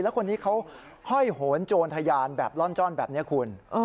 แล้วคนนี้เขาห้อยโหนโจรทะยานแบบล่อนจ้อนแบบนี้คุณ